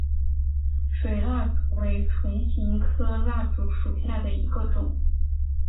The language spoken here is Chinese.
水蜡烛为唇形科水蜡烛属下的一个种。